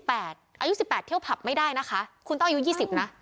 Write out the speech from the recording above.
อายุ๑๘เที่ยวผับไม่ได้นะคะคุณต้องอายุ๒๐นะ